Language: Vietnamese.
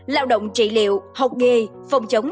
lao động trị liệu học nghề phòng chống